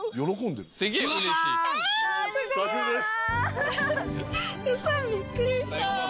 久しぶりです。